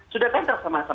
sudah bentro sama masyarakat